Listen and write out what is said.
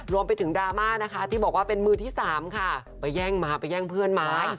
ดราม่านะคะที่บอกว่าเป็นมือที่สามค่ะไปแย่งไม้ไปแย่งเพื่อนไม้